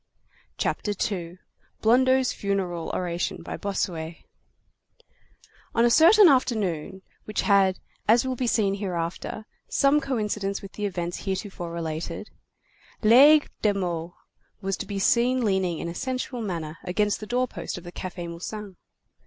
CHAPTER II—BLONDEAU'S FUNERAL ORATION BY BOSSUET On a certain afternoon, which had, as will be seen hereafter, some coincidence with the events heretofore related, Laigle de Meaux was to be seen leaning in a sensual manner against the doorpost of the Café Musain.